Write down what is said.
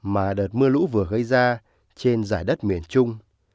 mà đợt mưa lũ vừa gây ra trên giải đất miền trung